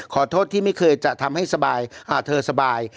ขอโทษที่ไม่เคยจะทำให้เธอสบาย